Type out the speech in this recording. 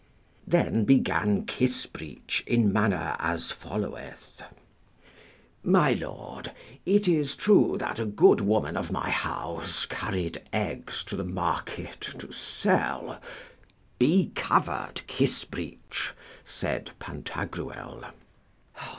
Then began Kissbreech in manner as followeth. My lord, it is true that a good woman of my house carried eggs to the market to sell. Be covered, Kissbreech, said Pantagruel.